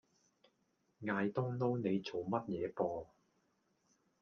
挨冬撈你做乜嘢啵